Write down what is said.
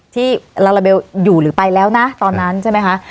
ที่ลาลาเบลอยู่หรือไปแล้วนะตอนนั้นใช่ไหมคะ